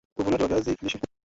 uvunaji wa viazi lishe